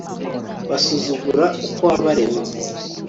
basuzugura uko wabaremye